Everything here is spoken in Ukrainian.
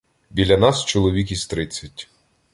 Біля нас — чоловік із тридцять.